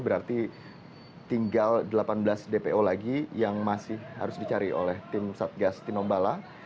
berarti tinggal delapan belas dpo lagi yang masih harus dicari oleh tim satgas tinombala